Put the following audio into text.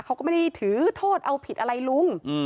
เขาก็ไม่ได้ถือโทษเอาผิดอะไรลุง